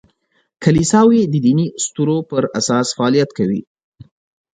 کلیساوې د دیني اسطورو پر اساس فعالیت کوي.